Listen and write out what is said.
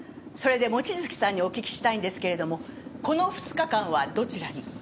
それで望月さんにお聞きしたいんですけれどもこの２日間はどちらに？